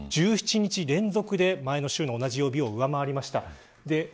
１７日連続で前の週の同じ曜日を上回りました。